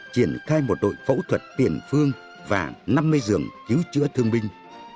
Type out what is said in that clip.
triển khai một đội phẫu thuật tiền phương và năm mươi giường cứu chữa thương binh